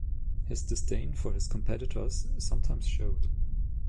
His disdain for his competitors sometimes showed.